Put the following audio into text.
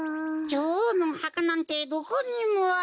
じょおうのおはかなんてどこにも。